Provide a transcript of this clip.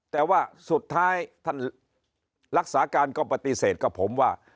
แต่ว่าสุดท้ายท่านรักษาการก็ปฏิเสธกับผมว่า